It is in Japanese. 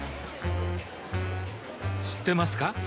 知ってますか？